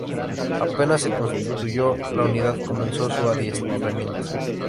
Apenas se constituyó la unidad, comenzó su adiestramiento.